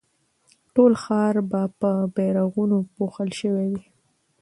ټول ښار به په بيرغونو پوښل شوی وي.